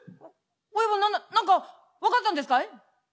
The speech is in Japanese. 親分な何か分かったんですかい？」。